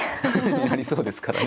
なりそうですからね。